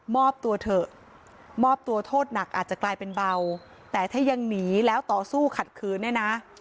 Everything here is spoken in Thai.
ตัวเถอะมอบตัวโทษหนักอาจจะกลายเป็นเบาแต่ถ้ายังหนีแล้วต่อสู้ขัดขืนเนี่ยนะ